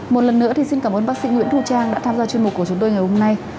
một lần nữa thì xin cảm ơn bác sĩ nguyễn thu trang đã tham gia chuyên mục của chúng tôi ngày hôm nay